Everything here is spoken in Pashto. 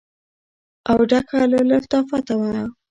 او ډکه له لطافت وه.